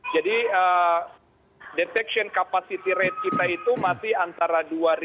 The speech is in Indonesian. jadi detection capacity rate kita itu masih antara dua ribu dua ribu